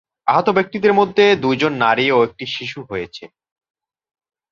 আহত ব্যক্তিদের মধ্যে দুজন নারী ও একটি শিশু হয়েছে।